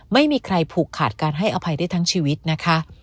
ไม่มีใครผูกขาดการให้อภัยได้ทั้งชีวิตนะคะ